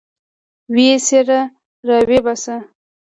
ويې څيره راويې باسه.